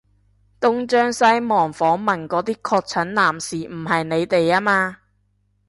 東張西望訪問嗰啲確診男士唔係你哋吖嘛？